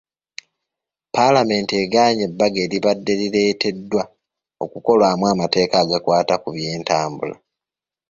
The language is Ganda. Paalamenti egaanye ebbago eribadde lireeteddwa okukolwamu amateeka agakwata ku by'entambula.